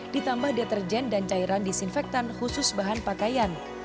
ditambah deterjen dan cairan disinfektan khusus bahan pakaian